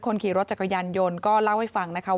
คนขี่รถจักรยานยนต์ก็เล่าให้ฟังนะคะ